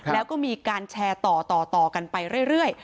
แล้วก็มีการแชร์ต่อกันไปเรื่อย